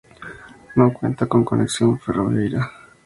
No cuenta con conexión ferroviaria.